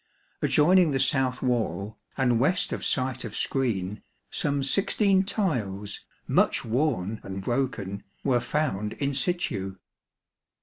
Adjoining the south wall, and west of site of screen, some sixteen tiles, much worn and broken, were found in situ.